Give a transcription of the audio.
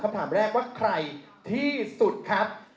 คำถามแรกว่าใครที่สุดครับ